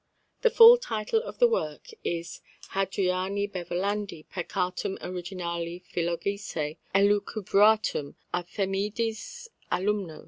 The full title of the work is _Hadriani Beverlandi peccatum originale philogicé elucubratum, à Themidis alumno.